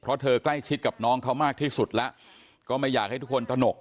เพราะเธอใกล้ชิดกับน้องเขามากที่สุดแล้วก็ไม่อยากให้ทุกคนตนก